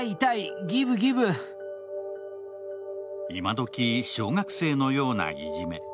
今どき、小学生のようないじめ。